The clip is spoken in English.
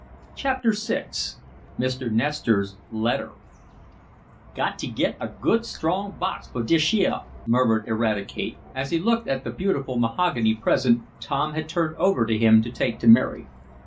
Chapter VI Mr. Nestor's Letter "Got t' git a good strong box fo' dish yeah," murmured Eradicate, as he looked at the beautiful mahogany present Tom had turned over to him to take to Mary.